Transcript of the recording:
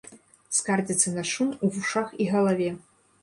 Скардзіцца на шум у вушах і галаве.